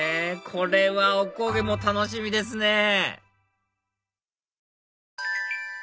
これはお焦げも楽しみですね